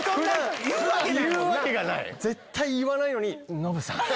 絶対言わないのに「ノブさん」。